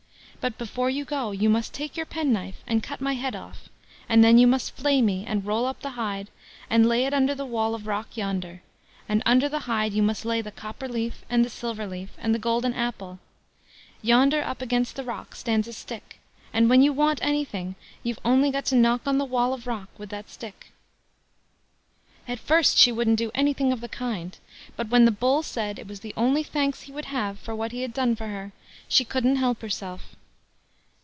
But before you go, you must take your penknife and cut my head off, and then you must flay me, and roll up the hide, and lay it under the wall of rock yonder, and under the hide you must lay the copper leaf, and the silver leaf, and the golden apple. Yonder, up against the rock, stands a stick; and when you want anything, you've only got to knock on the wall of rock with that stick." At first she wouldn't do anything of the kind; but when the Bull said it was the only thanks he would have for what he had done for her, she couldn't help herself.